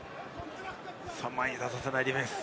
前に出させないディフェンス。